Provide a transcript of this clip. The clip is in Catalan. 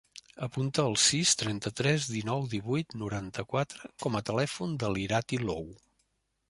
Apunta el sis, trenta-tres, dinou, divuit, noranta-quatre com a telèfon de l'Irati Lou.